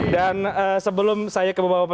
dan sebelum saya kebawa bawa